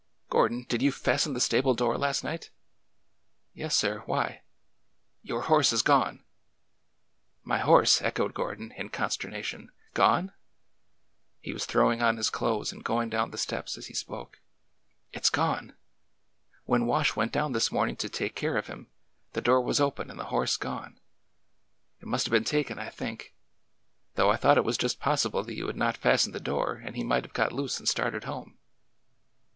'' Gordon, did vou fasten the stable door last night ?" Yes, sir. Why?" " Your horse is gone !"'' My horse !" echoed Gordon, in consternation. '' Gone ?" He was throwing on his clothes and going down the steps as he spoke. It 's gone ! When Wash went down this morning to take care of him, the door was open and the horse gone. It must have been taken, I think, — though I thought it was just possible that you had not fastened the door and he might have got loose and started home."